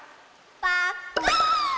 パッカーン！